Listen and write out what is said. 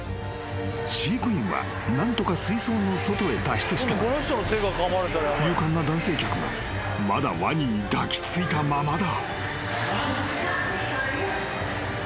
［飼育員は何とか水槽の外へ脱出したが勇敢な男性客はまだワニに抱き付いたままだ］